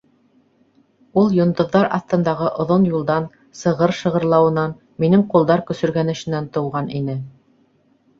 Ул йондоҙҙар аҫтындағы оҙон юлдан, сығыр шығырлауынан, минең ҡулдар көсөргәнешенән тыуған ине.